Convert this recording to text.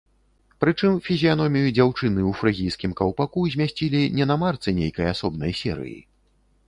Прычым фізіяномію дзяўчыны ў фрыгійскім каўпаку змясцілі не на марцы нейкай асобнай серыі.